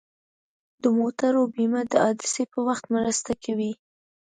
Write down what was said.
د موټرو بیمه د حادثې په وخت مرسته کوي.